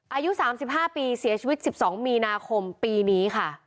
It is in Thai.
อายุ๓๕ปีเสียชีวิต๑๒มีนาคมปีนี้ค่ะ